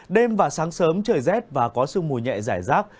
đêm và sáng sớm trời rét và có sương mù nhẹ giải rác